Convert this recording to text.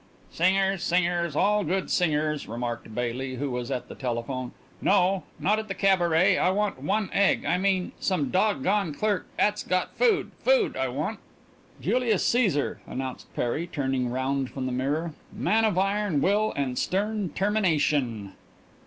"Singers, singers, all good singers," remarked Baily, who was at the telephone. "No, not the cabaret; I want night egg. I mean some dog gone clerk 'at's got food food! I want " "Julius Caesar," announced Perry, turning round from the mirror. "Man of iron will and stern 'termination."